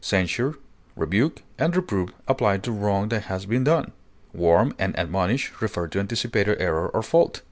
Censure, rebuke, and reprove apply to wrong that has been done; warn and admonish refer to anticipated error or fault.